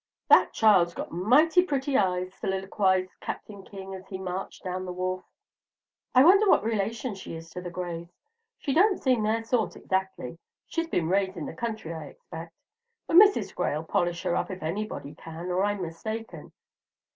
"That child's got mighty pretty eyes," soliloquized Captain King, as he marched down the wharf. "I wonder what relation she is to the Grays. She don't seem their sort exactly. She's been raised in the country, I expect; but Mrs. Gray'll polish her up if anybody can, or I'm mistaken.